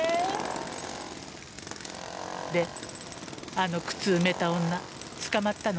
あの靴埋めた女捕まったの？